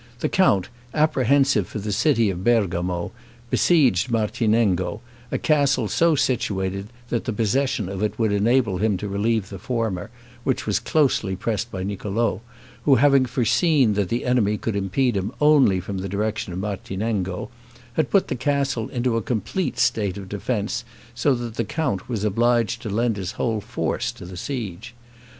The count, apprehensive for the city of Bergamo, besieged Martinengo, a castle so situated that the possession of it would enable him to relieve the former, which was closely pressed by Niccolo, who, having foreseen that the enemy could impede him only from the direction of Martinengo, had put the castle into a complete state of defense, so that the count was obliged to lend his whole force to the siege.